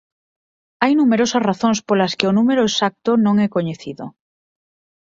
Hai numerosas razóns polas que o número exacto non é coñecido.